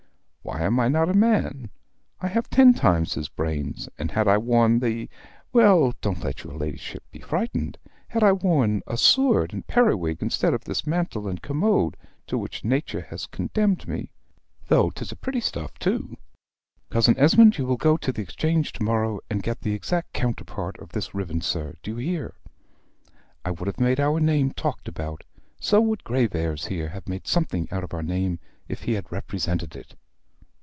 Why am I not a man? I have ten times his brains, and had I worn the well, don't let your ladyship be frightened had I worn a sword and periwig instead of this mantle and commode to which nature has condemned me (though 'tis a pretty stuff, too Cousin Esmond! you will go to the Exchange to morrow, and get the exact counterpart of this ribbon, sir; do you hear?) I would have made our name talked about. So would Graveairs here have made something out of our name if he had represented it.